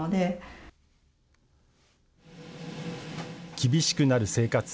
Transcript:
厳しくなる生活。